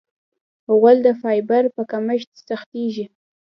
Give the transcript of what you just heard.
غول د فایبر په کمښت سختېږي.